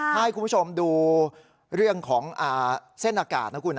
ถ้าให้คุณผู้ชมดูเรื่องของเส้นอากาศนะคุณ